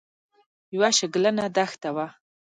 یوه شګلنه دښته وه.